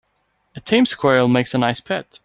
A tame squirrel makes a nice pet.